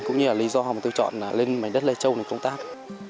cũng như là lý do tôi chọn lên mảnh đất lai châu này công tác